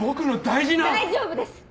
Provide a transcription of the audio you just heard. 大丈夫です。